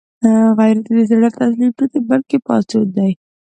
غیرت د زړه تسلیم نه دی، بلکې پاڅون دی